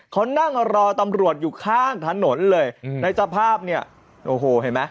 เขานั่งรอตำรวจอยู่ข้างถนนเลยในสภาพเนี่ยโอ้โหเห็นไหม